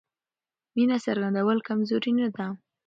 مینه څرګندول کمزوري نه ده.